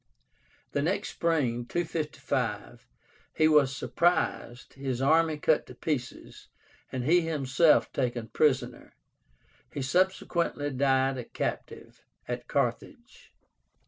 The next spring (255) he was surprised, his army cut to pieces, and he himself taken prisoner. He subsequently died a captive at Carthage.